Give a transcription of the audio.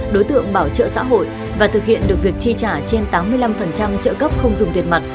đối tượng bảo trợ xã hội và thực hiện được việc chi trả trên tám mươi năm trợ cấp không dùng tiền mặt